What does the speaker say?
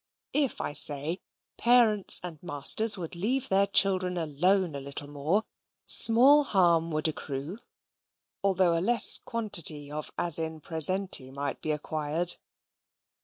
if, I say, parents and masters would leave their children alone a little more, small harm would accrue, although a less quantity of as in praesenti might be acquired.